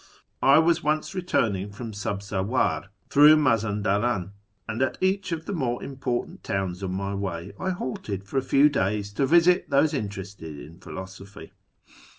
I was once returning from Sabzawar through Mazandaran, and at each of the more important towns on my way I halted for a few days to visit those interested in philosophy.